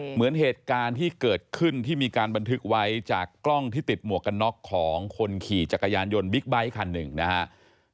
เหมือนเหตุการณ์ที่เกิดขึ้นที่มีการบันทึกไว้จากกล้องที่ติดหมวกกันน็อกของคนขี่จักรยานยนต์บิ๊กไบท์คันหนึ่งนะครับ